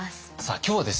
今日はですね